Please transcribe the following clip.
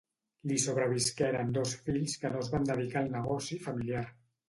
Li sobrevisqueren dos fills que no es van dedicar al negoci familiar.